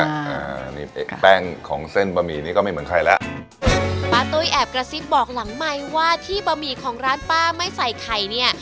อันนี้แป้งของเส้นบะหมี่นี้ก็ไม่เหมือนใครแล้วป้าตุ้ยแอบกระซิบบอกหลังไมค์ว่าที่บะหมี่ของร้านป้าไม่ใส่ไข่เนี่ย